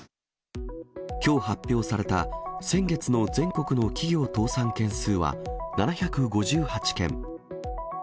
きょう発表された先月の全国の企業倒産件数は、７５８件。